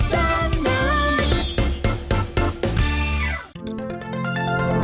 หนึ่งเรที่ออนเพิ่ง